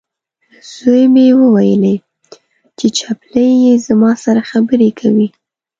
زوی مې وویلې، چې چپلۍ یې زما سره خبرې کوي.